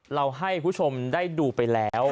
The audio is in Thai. เราให้คุณผู้ชมได้ดูไปแล้ว